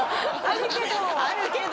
あるけど。